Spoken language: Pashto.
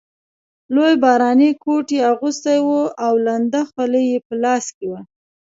لوی باراني کوټ یې اغوستی وو او لنده خولۍ یې په لاس کې وه.